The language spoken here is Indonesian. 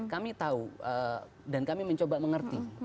kami tahu dan kami mencoba mengerti